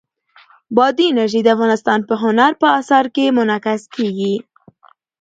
بادي انرژي د افغانستان په هنر په اثار کې منعکس کېږي.